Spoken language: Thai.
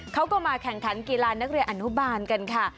เขาก็มาแข่งขันกีฬานักเรียนอนุบาลกันค่ะ